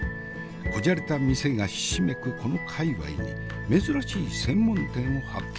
小じゃれた店がひしめくこの界わいに珍しい専門店を発見した。